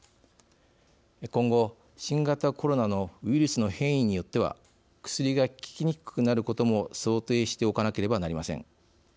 今後、新型コロナのウイルスの変異によっては薬が効きにくくなることも想定しておかなければなりません。